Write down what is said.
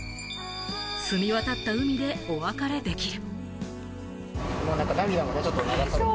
澄み渡った海でお別れできる。